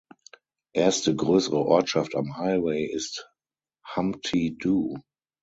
Erste größere Ortschaft am Highway ist Humpty Doo.